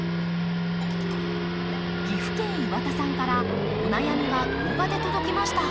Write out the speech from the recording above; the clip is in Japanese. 岐阜県岩田さんからお悩みが動画で届きました。